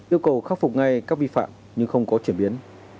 yêu cầu khắc phục ngay các vi phạm nhưng không có chuyển biến